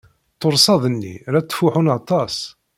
Tursaḍ-nni la ttfuḥunt aṭas.